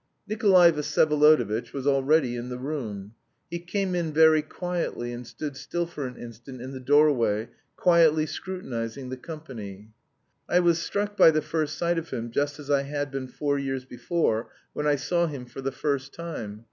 Nikolay Vsyevolodovitch was already in the room; he came in very quietly and stood still for an instant in the doorway, quietly scrutinising the company. I was struck by the first sight of him just as I had been four years before, when I saw him for the first time.